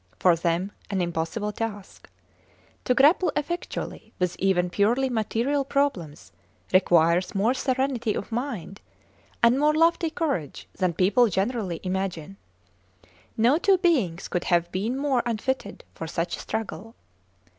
For them an impossible task. To grapple effectually with even purely material problems requires more serenity of mind and more lofty courage than people generally imagine. No two beings could have been more unfitted for such a struggle.